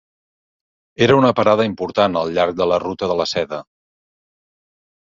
Era una parada important al llarg de la ruta de la Seda.